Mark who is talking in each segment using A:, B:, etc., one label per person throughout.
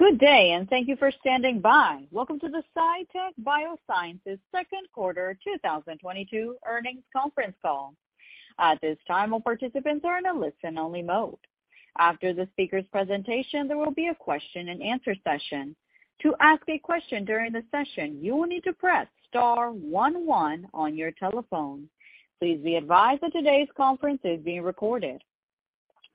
A: Good day, and thank you for standing by. Welcome to the Cytek Biosciences second quarter 2022 earnings conference call. At this time, all participants are in a listen-only mode. After the speaker's presentation, there will be a question-and-answer session. To ask a question during the session, you will need to press star one one on your telephone. Please be advised that today's conference is being recorded.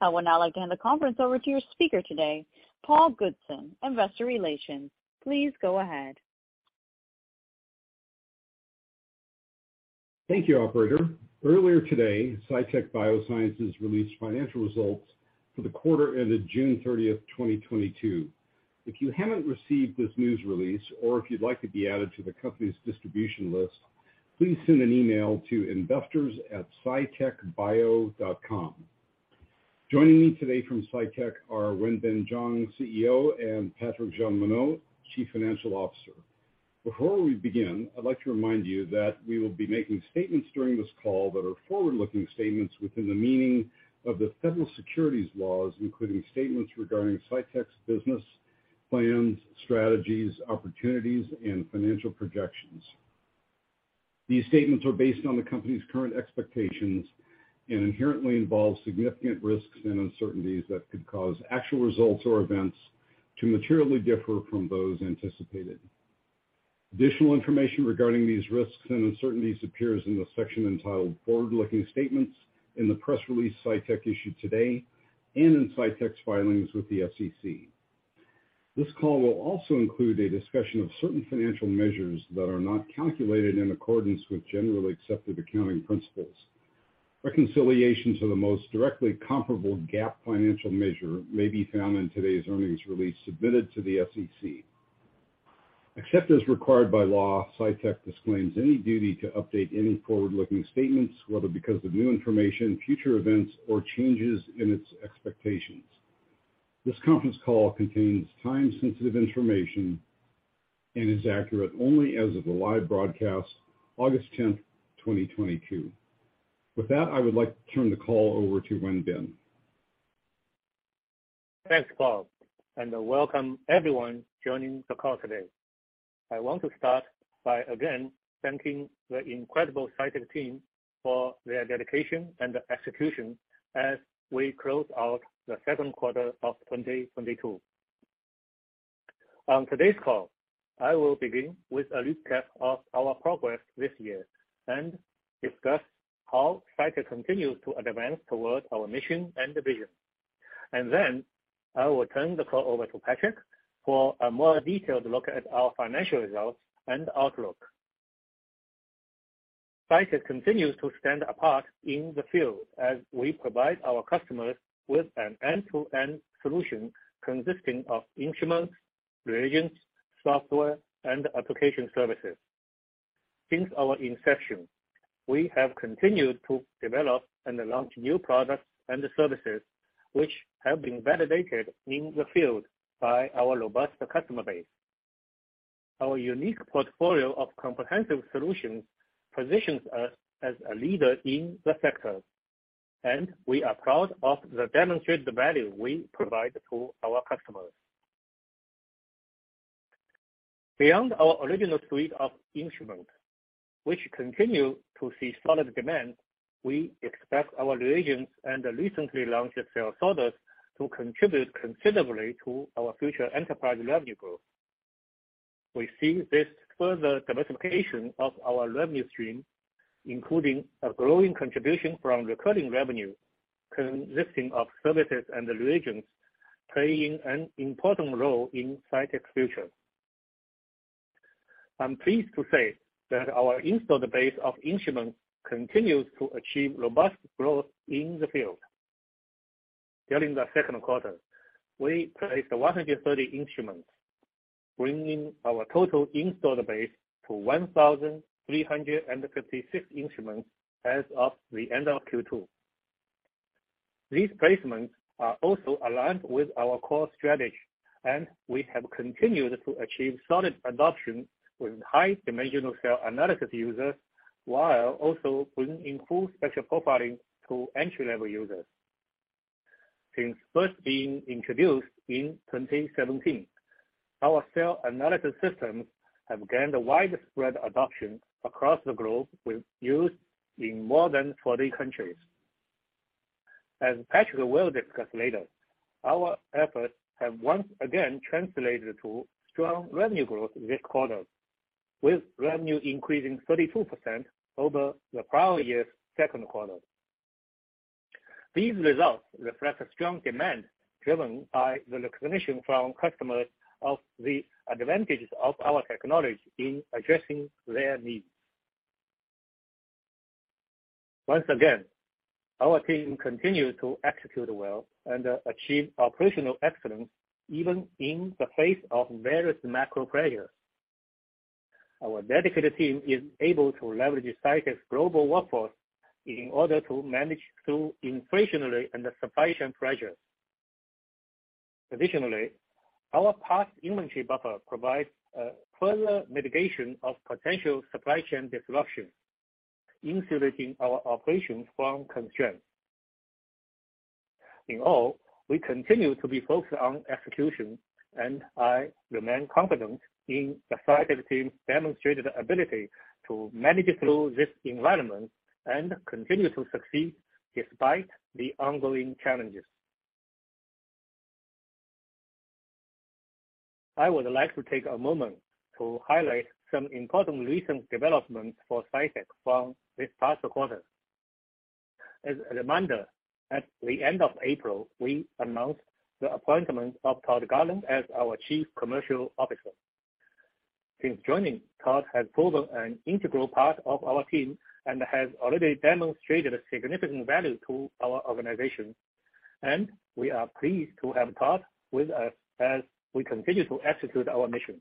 A: I would now like to hand the conference over to your speaker today, Paul Goodson, Investor Relations. Please go ahead.
B: Thank you, operator. Earlier today, Cytek Biosciences released financial results for the quarter ended June 30, 2022. If you haven't received this news release or if you'd like to be added to the company's distribution list, please send an email to investors@cytekbio.com. Joining me today from Cytek are Wenbin Jiang, CEO, and Patrik Jeanmonod, Chief Financial Officer. Before we begin, I'd like to remind you that we will be making statements during this call that are forward-looking statements within the meaning of the federal securities laws, including statements regarding Cytek's business plans, strategies, opportunities, and financial projections. These statements are based on the company's current expectations and inherently involve significant risks and uncertainties that could cause actual results or events to materially differ from those anticipated. Additional information regarding these risks and uncertainties appears in the section entitled Forward-Looking Statements in the press release Cytek issued today and in Cytek's filings with the SEC. This call will also include a discussion of certain financial measures that are not calculated in accordance with generally accepted accounting principles. Reconciliations to the most directly comparable GAAP financial measure may be found in today's earnings release submitted to the SEC. Except as required by law, Cytek disclaims any duty to update any forward-looking statements, whether because of new information, future events, or changes in its expectations. This conference call contains time-sensitive information and is accurate only as of the live broadcast August 10, 2022. With that, I would like to turn the call over to Wenbin.
C: Thanks, Paul, and welcome everyone joining the call today. I want to start by again thanking the incredible Cytek team for their dedication and execution as we close out the second quarter of 2022. On today's call, I will begin with a recap of our progress this year and discuss how Cytek continues to advance towards our mission and vision. I will turn the call over to Patrik for a more detailed look at our financial results and outlook. Cytek continues to stand apart in the field as we provide our customers with an end-to-end solution consisting of instruments, reagents, software, and application services. Since our inception, we have continued to develop and launch new products and services which have been validated in the field by our robust customer base. Our unique portfolio of comprehensive solutions positions us as a leader in the sector, and we are proud of the demonstrated value we provide to our customers. Beyond our original suite of instruments, which continue to see solid demand, we expect our reagents and recently launched cell sorters to contribute considerably to our future enterprise revenue growth. We see this further diversification of our revenue stream, including a growing contribution from recurring revenue consisting of services and reagents, playing an important role in Cytek's future. I'm pleased to say that our installed base of instruments continues to achieve robust growth in the field. During the second quarter, we placed 130 instruments, bringing our total installed base to 1,356 instruments as of the end of Q2. These placements are also aligned with our core strategy, and we have continued to achieve solid adoption with high-dimensional cell analysis users while also bringing Full Spectrum Profiling to entry-level users. Since first being introduced in 2017, our cell analysis systems have gained widespread adoption across the globe, with use in more than 40 countries. As Patrik will discuss later, our efforts have once again translated to strong revenue growth this quarter, with revenue increasing 32% over the prior year's second quarter. These results reflect a strong demand driven by the recognition from customers of the advantages of our technology in addressing their needs. Once again, our team continued to execute well and achieve operational excellence even in the face of various macro pressures. Our dedicated team is able to leverage Cytek's global workforce in order to manage through inflationary and supply chain pressures. Additionally, our past inventory buffer provides a further mitigation of potential supply chain disruptions, insulating our operations from constraints. In all, we continue to be focused on execution, and I remain confident in the Cytek team's demonstrated ability to manage through this environment and continue to succeed despite the ongoing challenges. I would like to take a moment to highlight some important recent developments for Cytek from this past quarter. As a reminder, at the end of April, we announced the appointment of Todd Garland as our Chief Commercial Officer. Since joining, Todd has proven an integral part of our team and has already demonstrated significant value to our organization. We are pleased to have Todd with us as we continue to execute our mission.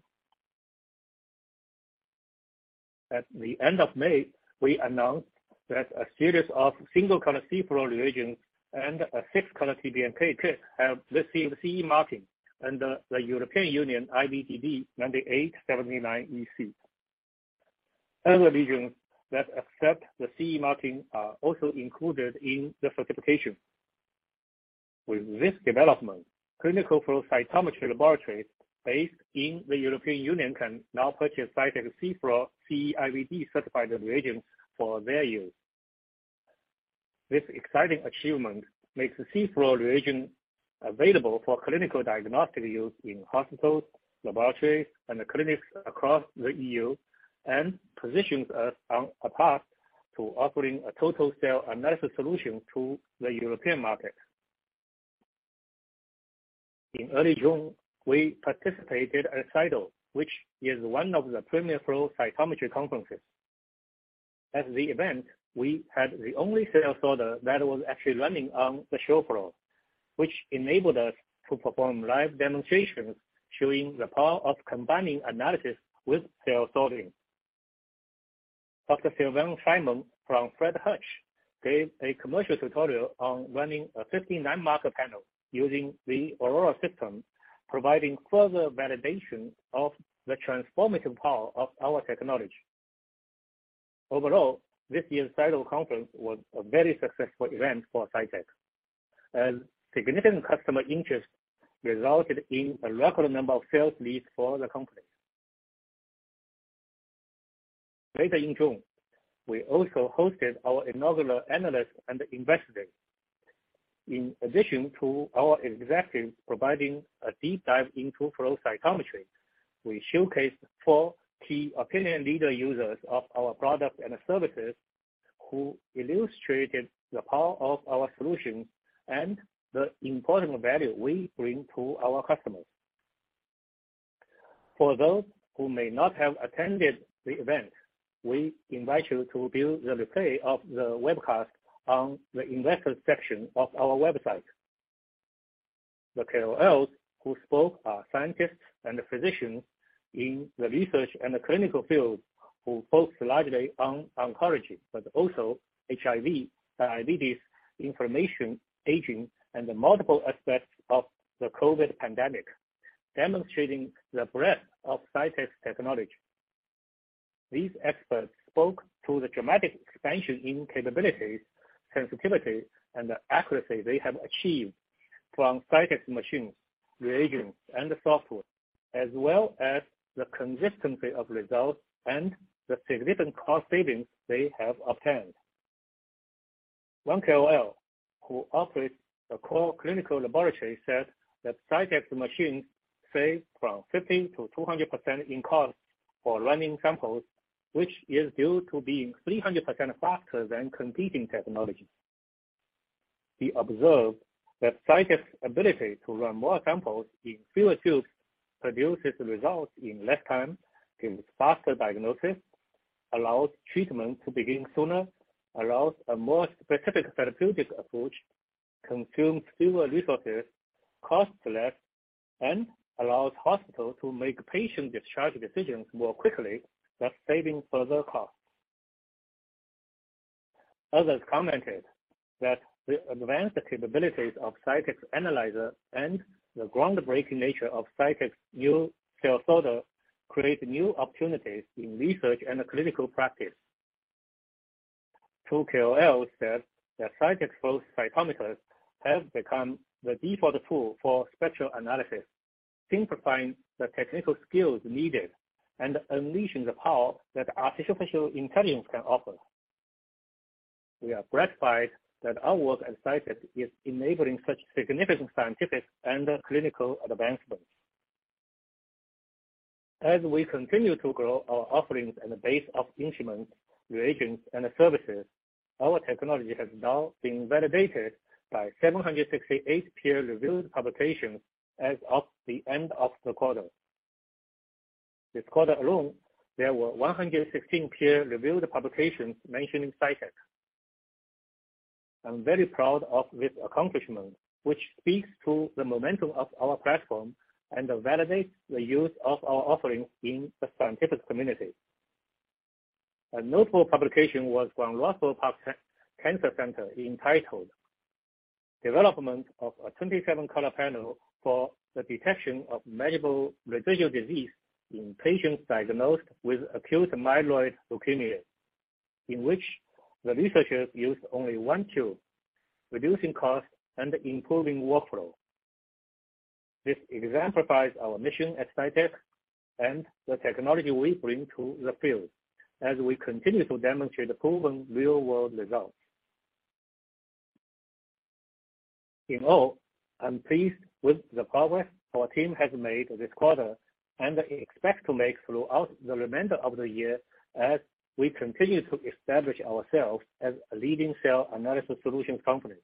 C: At the end of May, we announced that a series of single-color CFlow reagents and a six-color TBNK kit have received CE marking under the European Union IVDD 98/79/EC. Other regions that accept the CE marking are also included in the certification. With this development, clinical flow cytometry laboratories based in the European Union can now purchase Cytek's CFlow CE IVD certified reagents for their use. This exciting achievement makes CFlow reagent available for clinical diagnostic use in hospitals, laboratories, and clinics across the EU, and positions us on a path to offering a total cell analysis solution to the European market. In early June, we participated at CYTO, which is one of the premier flow cytometry conferences. At the event, we had the only cell sorter that was actually running on the show floor, which enabled us to perform live demonstrations showing the power of combining analysis with cell sorting. Dr. Sylvain Simon from Fred Hutch gave a commercial tutorial on running a 59 marker panel using the Aurora system, providing further validation of the transformative power of our technology. Overall, this year's CYTO conference was a very successful event for Cytek, as significant customer interest resulted in a record number of sales leads for the company. Later in June, we also hosted our inaugural Analyst and Investor Day. In addition to our executives providing a deep dive into flow cytometry, we showcased four key opinion leader users of our products and services who illustrated the power of our solutions and the important value we bring to our customers. For those who may not have attended the event, we invite you to view the replay of the webcast on the investor section of our website. The KOLs who spoke are scientists and physicians in the research and clinical field who focus largely on oncology, but also HIV, diabetes, inflammation, aging, and multiple aspects of the COVID pandemic, demonstrating the breadth of Cytek's technology. These experts spoke to the dramatic expansion in capabilities, sensitivity, and accuracy they have achieved from Cytek's machines, reagents, and software, as well as the consistency of results and the significant cost savings they have obtained. One KOL who operates a core clinical laboratory said that Cytek's machines save from 50%-200% in cost for running samples, which is due to being 300% faster than competing technologies. He observed that Cytek's ability to run more samples in fewer tubes produces results in less time, gives faster diagnosis, allows treatment to begin sooner, allows a more specific therapeutic approach, consumes fewer resources, costs less, and allows hospitals to make patient discharge decisions more quickly while saving further costs. Others commented that the advanced capabilities of Cytek's analyzer and the groundbreaking nature of Cytek's new cell sorter create new opportunities in research and clinical practice. Two KOLs said that Cytek flow cytometers have become the default tool for spectral analysis, simplifying the technical skills needed and unleashing the power that artificial intelligence can offer. We are gratified that our work at Cytek is enabling such significant scientific and clinical advancements. As we continue to grow our offerings and the base of instruments, reagents, and services, our technology has now been validated by 768 peer-reviewed publications as of the end of the quarter. This quarter alone, there were 116 peer-reviewed publications mentioning Cytek. I'm very proud of this accomplishment, which speaks to the momentum of our platform and validates the use of our offerings in the scientific community. A notable publication was from Roswell Park Comprehensive Cancer Center entitled Development of a 27-Color Panel for the Detection of Measurable Residual Disease in Patients Diagnosed with Acute Myeloid Leukemia, in which the researchers use only one tube, reducing cost and improving workflow. This exemplifies our mission at Cytek and the technology we bring to the field as we continue to demonstrate proven real-world results. In all, I'm pleased with the progress our team has made this quarter and expect to make throughout the remainder of the year as we continue to establish ourselves as a leading cell analysis solutions company.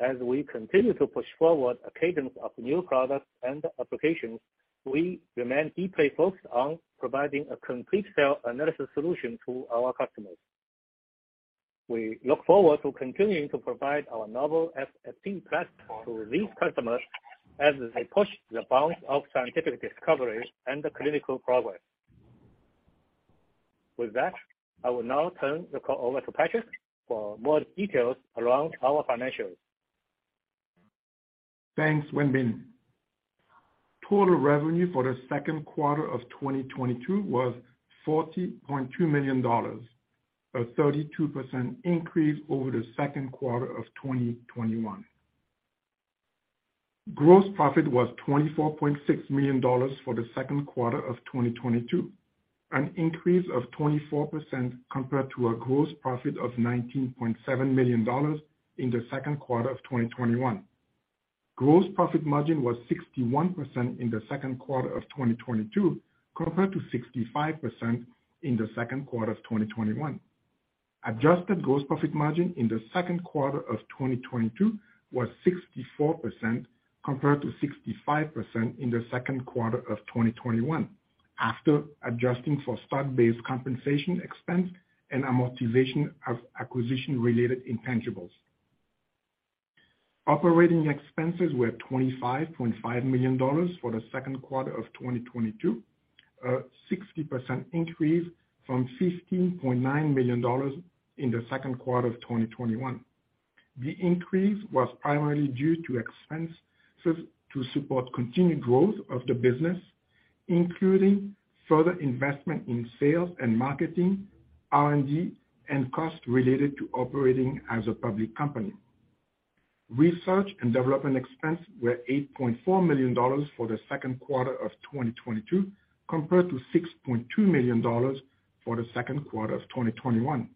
C: As we continue to push forward a cadence of new products and applications, we remain deeply focused on providing a complete cell analysis solution to our customers. We look forward to continuing to provide our novel FFPE platform to these customers as they push the bounds of scientific discoveries and clinical progress. With that, I will now turn the call over to Patrik for more details around our financials.
D: Thanks, Wenbin. Total revenue for the second quarter of 2022 was $40.2 million, a 32% increase over the second quarter of 2021. Gross profit was $24.6 million for the second quarter of 2022, an increase of 24% compared to a gross profit of $19.7 million in the second quarter of 2021. Gross profit margin was 61% in the second quarter of 2022 compared to 65% in the second quarter of 2021. Adjusted gross profit margin in the second quarter of 2022 was 64% compared to 65% in the second quarter of 2021, after adjusting for stock-based compensation expense and amortization of acquisition-related intangibles. Operating expenses were $25.5 million for the second quarter of 2022. A 60% increase from $15.9 million in the second quarter of 2021. The increase was primarily due to expenses to support continued growth of the business, including further investment in sales and marketing, R&D, and costs related to operating as a public company. Research and development expenses were $8.4 million for the second quarter of 2022 compared to $6.2 million for the second quarter of 2021.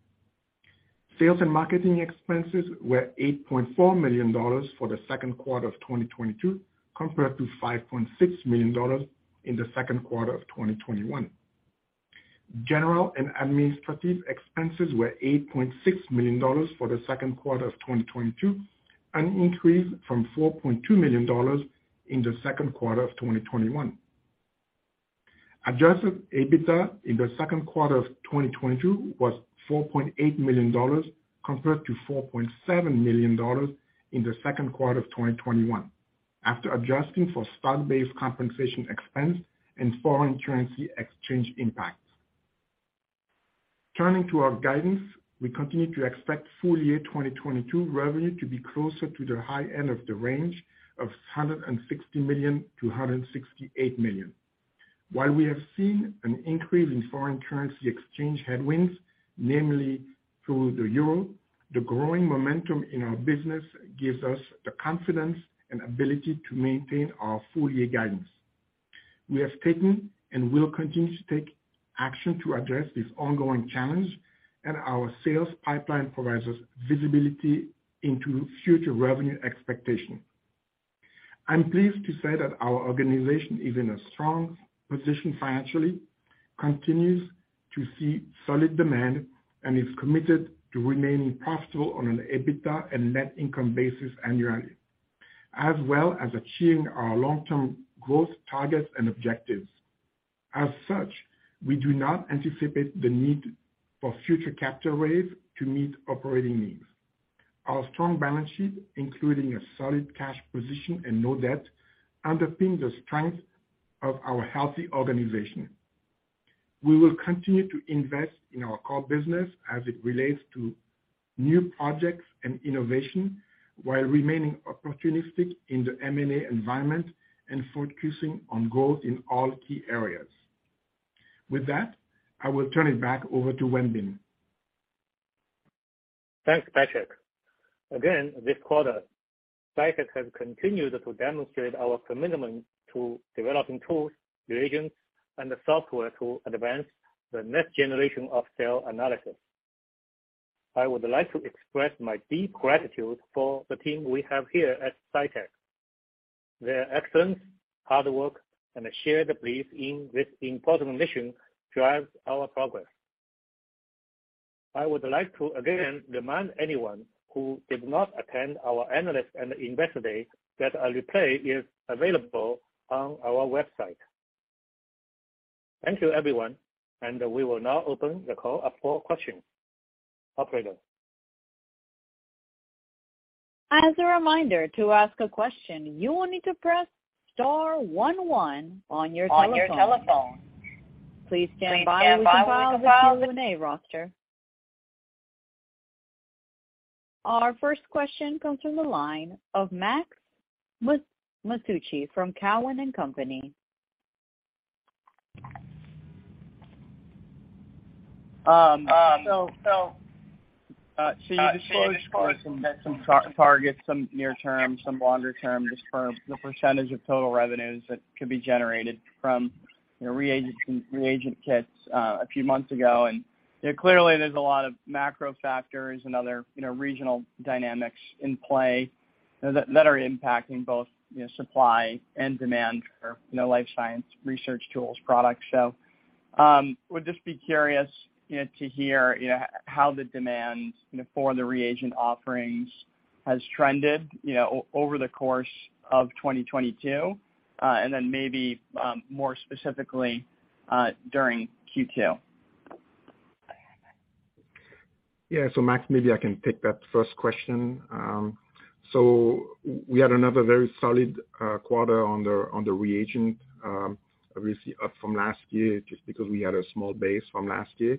D: Sales and marketing expenses were $8.4 million for the second quarter of 2022 compared to $5.6 million in the second quarter of 2021. General and administrative expenses were $8.6 million for the second quarter of 2022, an increase from $4.2 million in the second quarter of 2021. Adjusted EBITDA in the second quarter of 2022 was $4.8 million compared to $4.7 million in the second quarter of 2021, after adjusting for stock-based compensation expense and foreign currency exchange impacts. Turning to our guidance, we continue to expect full-year 2022 revenue to be closer to the high end of the range of $160 million-$168 million. While we have seen an increase in foreign currency exchange headwinds, namely through the euro, the growing momentum in our business gives us the confidence and ability to maintain our full-year guidance. We have taken and will continue to take action to address this ongoing challenge, and our sales pipeline provides us visibility into future revenue expectations. I'm pleased to say that our organization is in a strong position financially, continues to see solid demand, and is committed to remaining profitable on an EBITDA and net income basis annually, as well as achieving our long-term growth targets and objectives. As such, we do not anticipate the need for future capital raise to meet operating needs. Our strong balance sheet, including a solid cash position and no debt, underpin the strength of our healthy organization. We will continue to invest in our core business as it relates to new projects and innovation while remaining opportunistic in the M&A environment and focusing on growth in all key areas. With that, I will turn it back over to Wenbin.
C: Thanks, Patrik. Again, this quarter, Cytek has continued to demonstrate our commitment to developing tools, reagents, and the software to advance the next generation of cell analysis. I would like to express my deep gratitude for the team we have here at Cytek. Their excellence, hard work, and a shared belief in this important mission drives our progress. I would like to again remind anyone who did not attend our analyst and investor day that a replay is available on our website. Thank you, everyone, and we will now open the call up for questions. Operator.
A: As a reminder, to ask a question, you will need to press star one one on your telephone. Please stand by while the Q&A roster. Our first question comes from the line of Max Masucci from Cowen and Company.
E: You disclosed some targets, some near term, some longer term, just for the percentage of total revenues that could be generated from reagent kits a few months ago. Clearly there's a lot of macro factors and other regional dynamics in play that are impacting both supply and demand for life science research tools products. Would just be curious to hear how the demand for the reagent offerings has trended over the course of 2022, and then maybe more specifically during Q2.
D: Yeah. Max, maybe I can take that first question. We had another very solid quarter on the reagent, obviously up from last year, just because we had a small base from last year.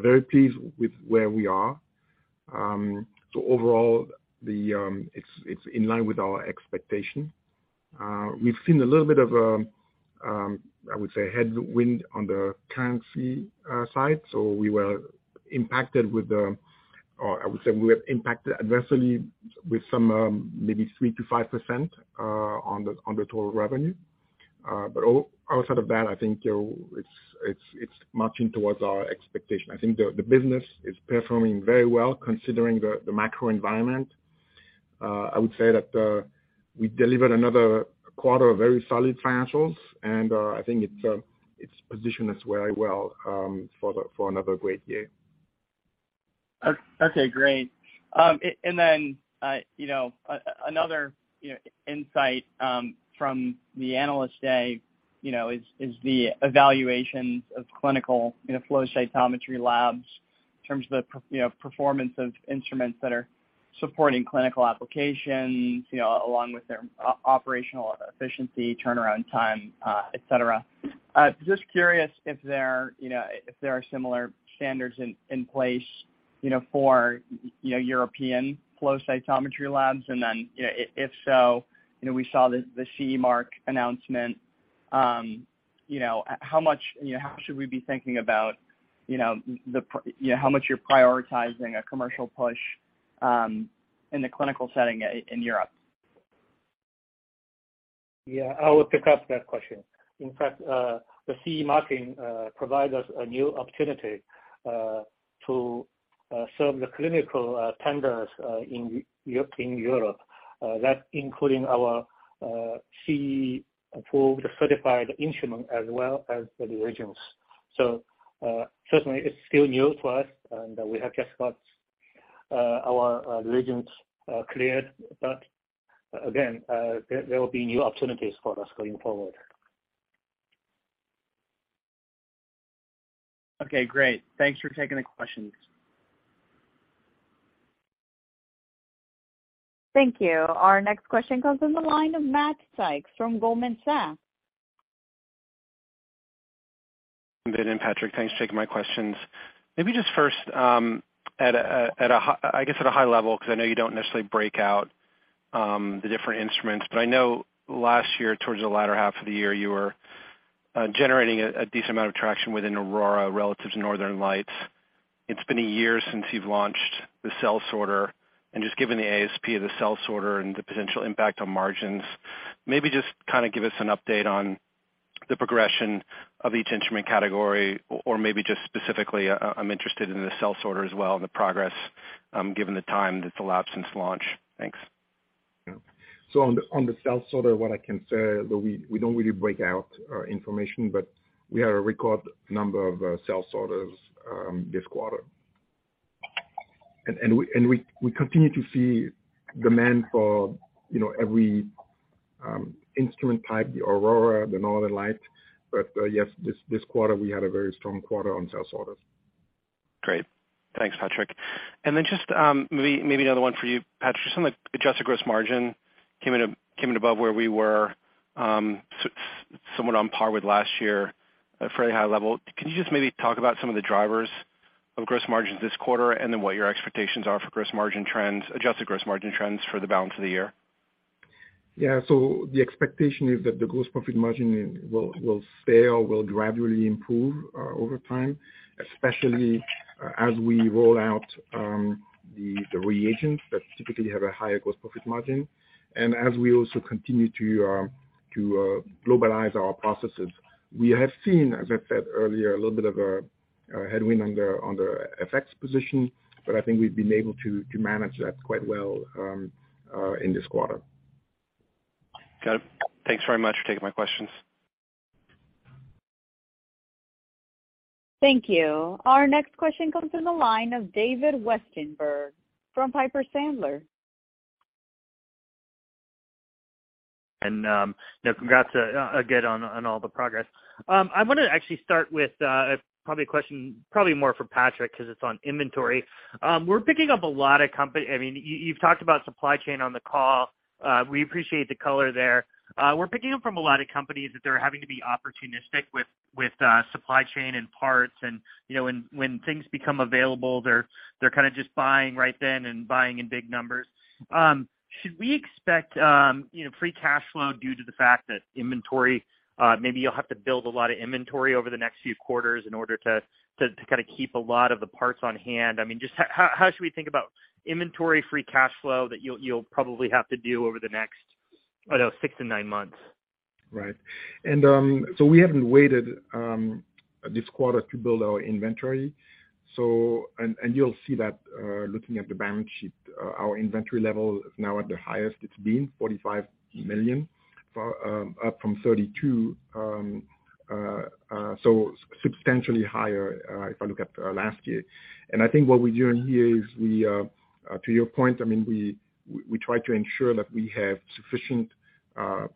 D: Very pleased with where we are. Overall, it's in line with our expectation. We've seen a little bit of a, I would say, headwind on the currency side. We were impacted or I would say we were impacted adversely with some, maybe 3%-5% on the total revenue. Outside of that, I think, you know, it's marching towards our expectation. I think the business is performing very well considering the macro environment. I would say that we delivered another quarter of very solid financials and I think it's positioned us very well for another great year.
E: Okay, great. And then, you know, another insight from the analyst day, you know, is the evaluations of clinical, you know, flow cytometry labs in terms of the performance of instruments that are supporting clinical applications, you know, along with their operational efficiency, turnaround time, et cetera. Just curious if there are similar standards in place, you know, for European flow cytometry labs. If so, you know, we saw the CE mark announcement. You know, how much, you know, how should we be thinking about, you know, how much you're prioritizing a commercial push in the clinical setting in Europe?
C: Yeah, I will pick up that question. In fact, the CE marking provides us a new opportunity to serve the clinical tenders in Europe that including our CE-approved certified instrument as well as the reagents. Certainly it's still new to us, and we have just got our reagents cleared. Again, there will be new opportunities for us going forward.
E: Okay, great. Thanks for taking the questions.
A: Thank you. Our next question comes in the line of Matthew Sykes from Goldman Sachs.
F: Good day, Patrik. Thanks for taking my questions. Maybe just first, at a high level, I guess, 'cause I know you don't necessarily break out the different instruments, but I know last year, towards the latter half of the year, you were generating a decent amount of traction within Aurora relative to Northern Lights. It's been a year since you've launched the cell sorter. Just given the ASP of the cell sorter and the potential impact on margins, maybe just kinda give us an update on the progression of each instrument category. Or maybe just specifically, I'm interested in the cell sorter as well and the progress, given the time that's elapsed since launch. Thanks.
D: On the cell sorter, what I can say that we don't really break out information, but we had a record number of cell sorters this quarter. We continue to see demand for, you know, every instrument type, the Aurora, the Northern Lights. But yes, this quarter we had a very strong quarter on cell sorters.
F: Great. Thanks, Patrik. Just maybe another one for you, Patrik. Just on the adjusted gross margin came in above where we were somewhat on par with last year at very high level. Can you just maybe talk about some of the drivers of gross margins this quarter, and what your expectations are for gross margin trends, adjusted gross margin trends for the balance of the year?
D: Yeah. The expectation is that the gross profit margin will stay or will gradually improve over time, especially as we roll out the reagents that typically have a higher gross profit margin. As we also continue to globalize our processes. We have seen, as I said earlier, a little bit of a headwind on the FX position, but I think we've been able to manage that quite well in this quarter.
F: Got it. Thanks very much for taking my questions.
A: Thank you. Our next question comes from the line of David Westenberg from Piper Sandler.
G: You know, congrats again on all the progress. I wanna actually start with probably a question probably more for Patrik 'cause it's on inventory. We're picking up a lot. I mean, you've talked about supply chain on the call. We appreciate the color there. We're picking up from a lot of companies that they're having to be opportunistic with supply chain and parts and, you know, when things become available they're kinda just buying right then and buying in big numbers. Should we expect you know, free cash flow due to the fact that inventory maybe you'll have to build a lot of inventory over the next few quarters in order to kinda keep a lot of the parts on hand? I mean, just how should we think about inventory free cash flow that you'll probably have to do over the next, I don't know, six to nine months?
D: Right. So we haven't waited this quarter to build our inventory. You'll see that, looking at the balance sheet, our inventory level is now at the highest it's been, $45 million, up from $32 million. So substantially higher, if I look at last year. I think what we're doing here is, to your point, I mean, we try to ensure that we have sufficient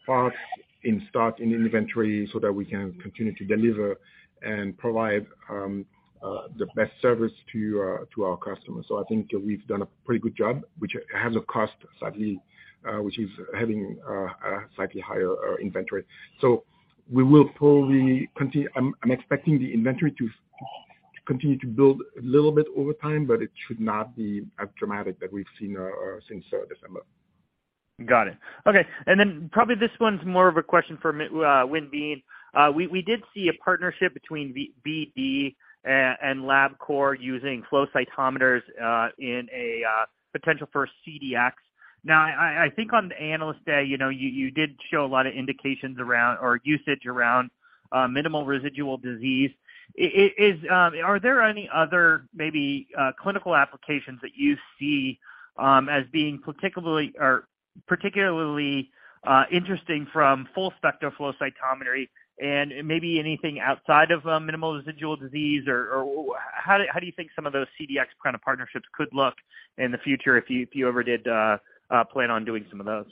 D: parts in stock in inventory so that we can continue to deliver and provide the best service to our customers. I think we've done a pretty good job, which has a cost slightly, which is having a slightly higher inventory. We will probably continue. I'm expecting the inventory to continue to build a little bit over time, but it should not be as dramatic as we've seen since December.
G: Got it. Okay. Probably this one's more of a question for Wenbin. We did see a partnership between BD and Labcorp using flow cytometers in a potential first CDX. Now I think on the Analyst Day, you know, you did show a lot of indications around or usage around minimal residual disease. Are there any other maybe clinical applications that you see as being particularly interesting from full spectrum flow cytometry and maybe anything outside of minimal residual disease? How do you think some of those CDX kind of partnerships could look in the future if you ever did plan on doing some of those?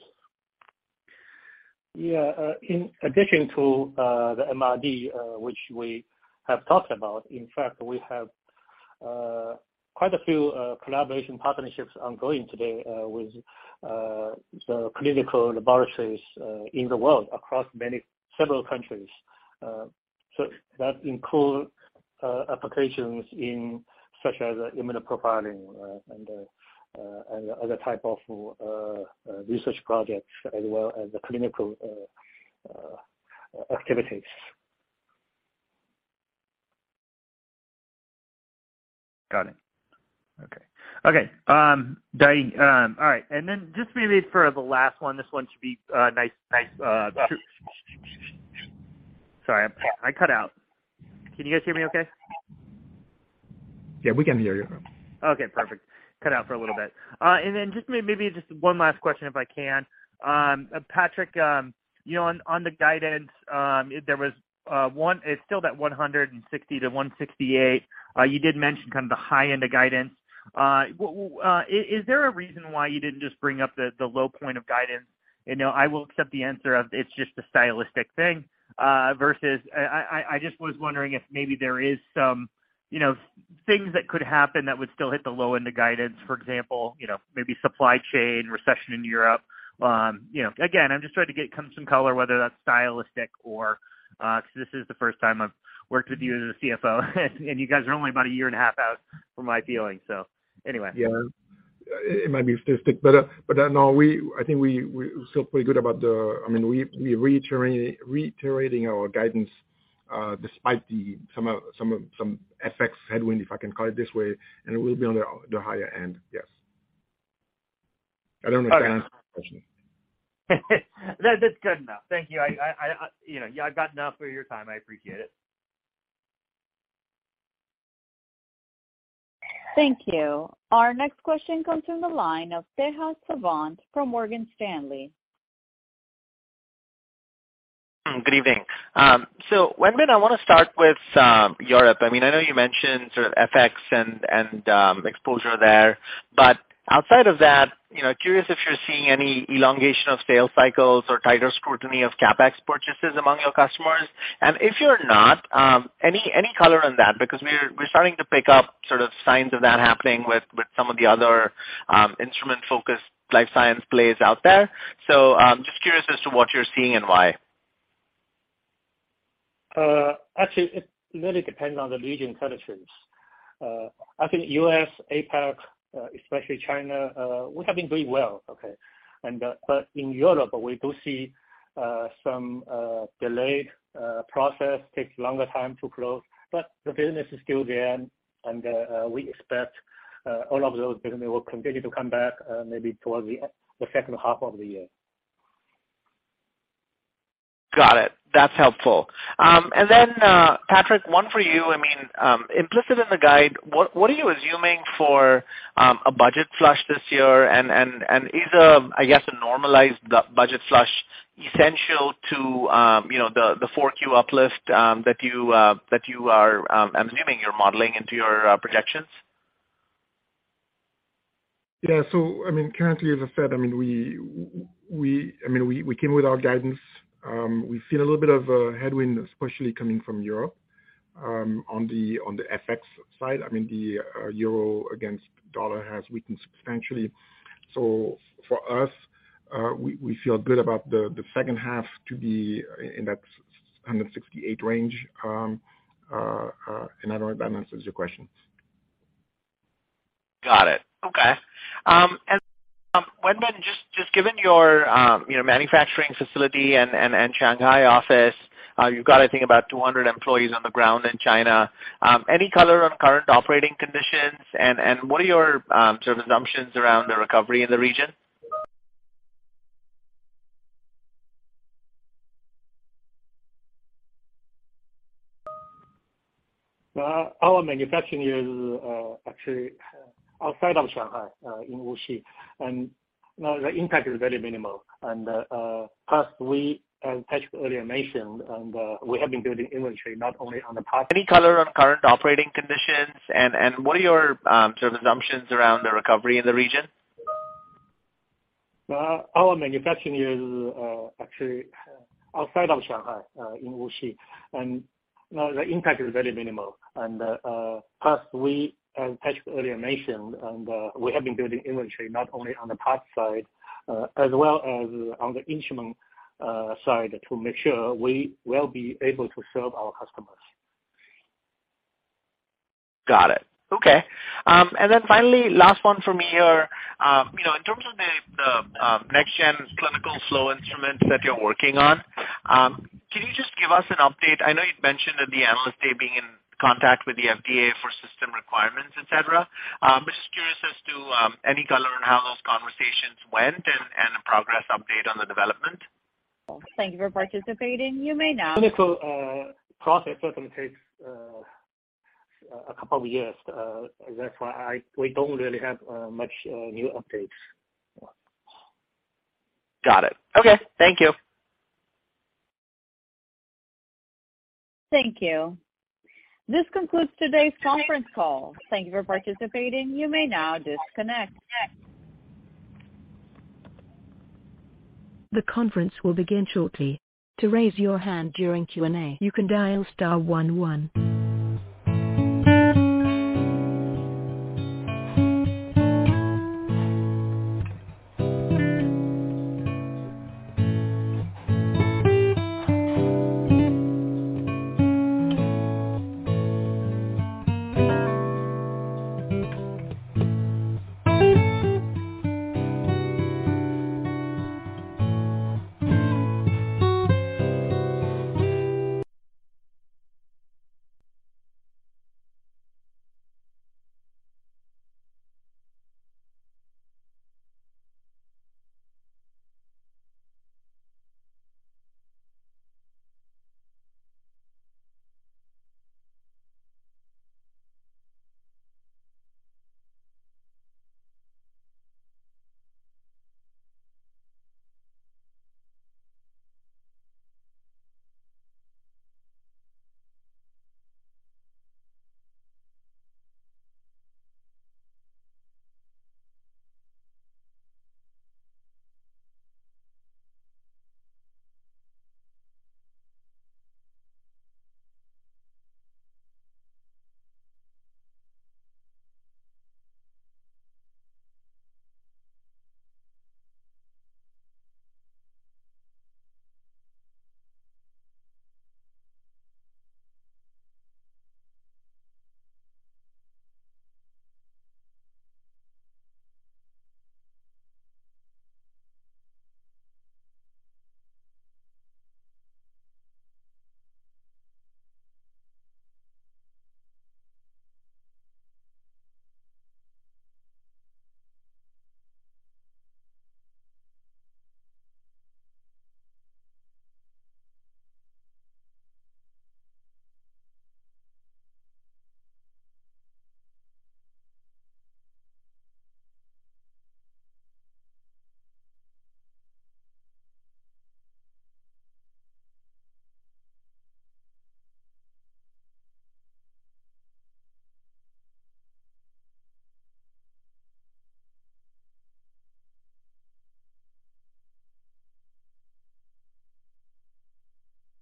C: Yeah. In addition to the MRD, which we have talked about, in fact, we have quite a few collaboration partnerships ongoing today with the clinical laboratories in the world across several countries. That include applications in such as immunoprofiling and other type of research projects as well as the clinical activities.
G: Got it. Okay. All right. Just maybe for the last one. This one should be, sorry, I cut out. Can you guys hear me okay?
D: Yeah, we can hear you.
G: Okay, perfect. Cut out for a little bit. Then just maybe just one last question if I can. Patrik, you know, on the guidance, it's still that $160-$168. You did mention kind of the high end of guidance. Is there a reason why you didn't just bring up the low point of guidance? You know, I will accept the answer of it's just a stylistic thing versus I just was wondering if maybe there is some, you know, things that could happen that would still hit the low end of guidance. For example, you know, maybe supply chain, recession in Europe. You know, again, I'm just trying to get kind of some color whether that's stylistic or, 'cause this is the first time I've worked with you as a CFO, and you guys are only about a year and a half out from my feeling. So anyway.
D: It might be a statistic. No, I think we feel pretty good about it. I mean, we are reiterating our guidance despite some FX headwind, if I can call it this way, and we'll be on the higher end. Yes. I don't know if I answered the question.
G: That's good enough. Thank you. I, you know, yeah, I've got enough of your time. I appreciate it.
A: Thank you. Our next question comes from the line of Tejas Savant from Morgan Stanley.
H: Good evening. Wenbin, I wanna start with Europe. I mean, I know you mentioned sort of FX and exposure there. But outside of that, you know, curious if you're seeing any elongation of sales cycles or tighter scrutiny of CapEx purchases among your customers. And if you're not, any color on that? Because we're starting to pick up sort of signs of that happening with some of the other instrument-focused life science players out there. Just curious as to what you're seeing and why.
C: Actually, it really depends on the region characteristics. I think U.S., APAC, especially China, we have been doing well. In Europe, we do see some delayed process takes longer time to close. The business is still there and we expect all of those business will continue to come back maybe towards the end, the second half of the year.
H: Got it. That's helpful. Then, Patrick, one for you. I mean, implicit in the guide, what are you assuming for a budget flush this year? Is a normalized budget flush essential to, you know, the 4Q uplift that you are, I'm assuming you're modeling into your projections?
D: Yeah. I mean, currently, as I said, I mean, we came with our guidance. We've seen a little bit of a headwind, especially coming from Europe, on the FX side. I mean, the euro against dollar has weakened substantially. For us, we feel good about the second half to be in that $168 range. I don't know if that answers your questions.
H: Got it. Okay. Wenbin, just given your you know, manufacturing facility and Shanghai office, you've got I think about 200 employees on the ground in China. Any color on current operating conditions and what are your sort of assumptions around the recovery in the region?
C: Our manufacturing is actually outside of Shanghai in Wuxi, and the impact is very minimal. Plus we, as Patrick earlier mentioned, and we have been building inventory not only on the parts.
H: Any color on current operating conditions and what are your sort of assumptions around the recovery in the region?
C: Our manufacturing is actually outside of Shanghai in Wuxi, and the impact is very minimal. Plus, as Patrik earlier mentioned, we have been building inventory not only on the parts side as well as on the instrument side to make sure we will be able to serve our customers.
H: Got it. Okay. Finally, last one from me here. You know, in terms of the next gen clinical flow instruments that you're working on, can you just give us an update? I know you'd mentioned at the Analyst Day being in contact with the FDA for system requirements, et cetera. Just curious as to any color on how those conversations went and a progress update on the development.
A: Thank you for participating. You may now.
C: Clinical process certainly takes a couple of years. That's why we don't really have much new updates.
H: Got it. Okay. Thank you.
A: Thank you. This concludes today's conference call. Thank you for participating. You may now disconnect. The conference will begin shortly. To raise your hand during Q&A, you can dial star one one.